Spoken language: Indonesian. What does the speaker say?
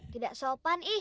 tidak sopan ih